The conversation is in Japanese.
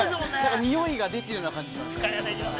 ◆においが出てるような感じがしますからね。